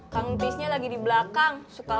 kang pisnya lagi di belakang suka lama